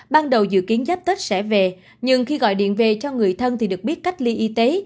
ban đầu dự kiến giáp tết sẽ về nhưng khi gọi điện về cho người thân thì được biết cách ly y tế